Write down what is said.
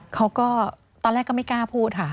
เขาก็ตอนแรกก็ไม่กล้าพูดค่ะ